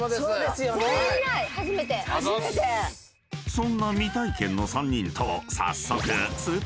［そんな未体験の３人と早速］